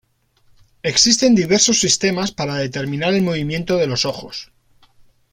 Existen diversos sistemas para determinar el movimiento de los ojos.